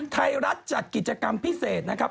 ไทยรัฐจัดกิจกรรมพิเศษนะครับ